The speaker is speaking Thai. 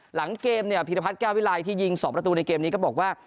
หลังเกมเนี่ยพีรพัฒนแก้ววิลัยที่ยิง๒ประตูในเกมนี้ก็บอกว่า